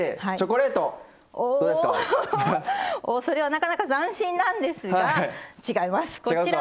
それはなかなか斬新なんですが違います。